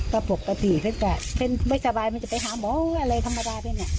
ก็ปกติถ้าจะเป็นไม่สบายมันจะไปหาหมออะไรธรรมดาเป็นเนี่ย